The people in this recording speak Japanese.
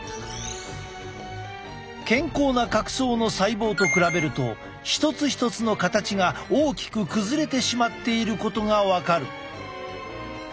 健康な角層の細胞と比べると一つ一つの形が大きく崩れてしまっていることが分かる。